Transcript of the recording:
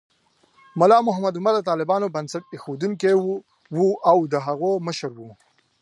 ملا محمد عمر د طالبانو بنسټ ایښودونکی و او د هغوی مشر و.